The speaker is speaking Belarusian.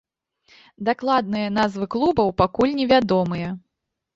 Дакладныя назвы клубаў пакуль невядомыя.